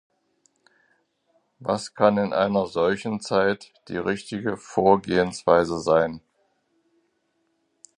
Was kann in einer solchen Zeit die richtige Vorgehensweise sein?